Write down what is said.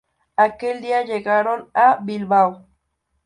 Aquel día llegaron a Bilbao.